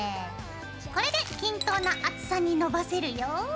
これで均等な厚さにのばせるよ。